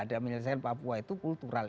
ada menyelesaikan papua itu kultural